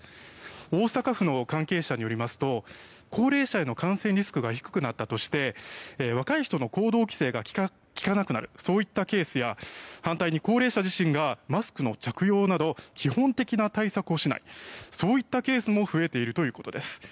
大阪府の関係者によりますと高齢者への感染リスクが低くなったとして若い人への行動規制が効かなくなるケースや反対に高齢者自身がマスクの着用など基本的な対策をしないといったケースも増えているということです。